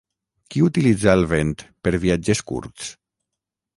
Qui utilitza el vent per viatges curts?